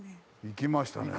いきましたね。